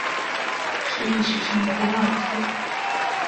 是历史上的第二次